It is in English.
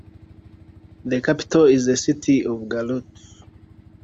The capital is the city of Garut.